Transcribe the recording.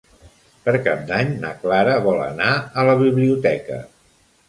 Per Cap d'Any na Clara vol anar a la biblioteca.